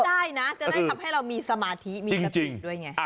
จะได้ครับให้เรามีสมาธิมีสติด้วยไง